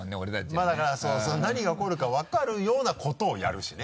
まぁだからそう何が起こるか分かるようなことをやるしね。